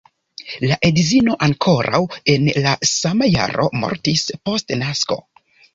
La edzino ankoraŭ en la sama jaro mortis, post nasko.